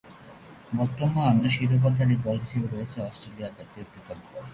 বর্তমান শিরোপাধারী দল হিসেবে রয়েছে অস্ট্রেলিয়া জাতীয় ক্রিকেট দল।